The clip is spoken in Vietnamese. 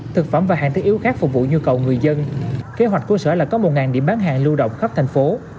thực phẩm và hàng thiết yếu khác phục vụ nhu cầu người dân kế hoạch của sở là có một điểm bán hàng lưu động khắp thành phố